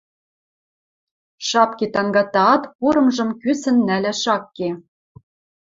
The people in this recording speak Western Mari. — Шапки тангатаат курымжым кӱсӹн нӓлӓш ак ке...